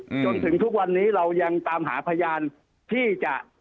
จนถึงทุกวันนี้เรายังตามหาพยานที่จะ